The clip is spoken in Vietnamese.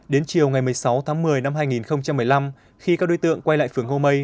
đến chiều ngày một mươi sáu tháng một mươi năm hai nghìn một mươi năm khi các đối tượng quay lại phường ngô mây